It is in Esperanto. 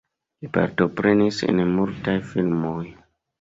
Li partoprenis en multaj filmoj.